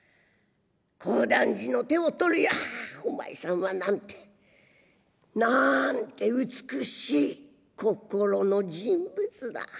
小団次の手を取り「ああお前さんはなんてなんて美しい心の人物だ。